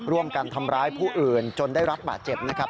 ร่วมกันทำร้ายผู้อื่นจนได้รับบาดเจ็บนะครับ